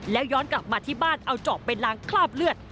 แล้วย้อนกลับมาที่บ้านเอาเจาะไปล้างคราบเลือด